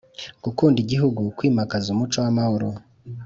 gukunda igihugu, kwimakaza umuco w’amahoro